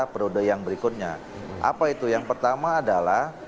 periode yang berikutnya apa itu yang pertama adalah